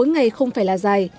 một mươi bốn ngày không phải là dài